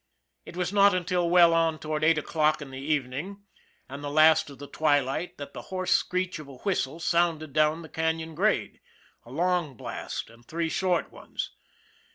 It was not until well on toward eight o'clock in the evening and the last of the twilight that the hoarse screech of a whistle sounded down the canon grade a long blast and three short ones.